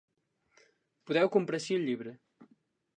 Podeu comprar ací el llibre.